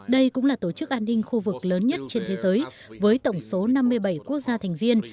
đây cũng là tổ chức an ninh khu vực lớn nhất trên thế giới với tổng số năm mươi bảy quốc gia thành viên